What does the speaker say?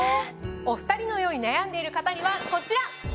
お２人のように悩んでいる方にはこちら！